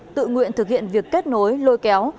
tự nguyện thực hiện việc kết nối lôi kéo